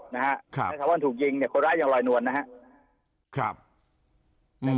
นะฮะครับถาวรถูกยิงเนี่ยคนร้ายยังลอยนวลนะฮะครับอืม